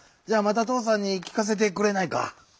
じゃあまたとうさんにきかせてくれないか？